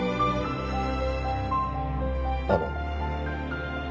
あの。